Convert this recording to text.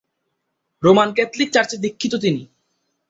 Roman Catholic চার্চে দীক্ষিত তিনি।